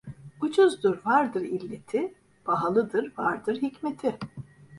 Ucuzdur vardır illeti, pahalıdır vardır hikmeti.